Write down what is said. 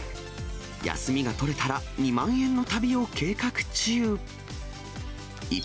休みが取れたら、２万円の旅を計画中。